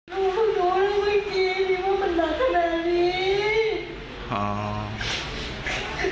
หนูรู้รู้รู้ว่าเมื่อกี้มีว่ามันหลักขนาดนี้